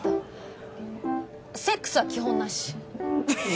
セックスは基本なし。